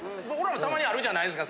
たまにあるじゃないですか。